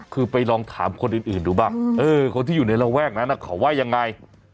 คือไปลองถามคนอื่นดูบ้างคนที่อยู่ในระแวกนั้นเขาว่ายังไง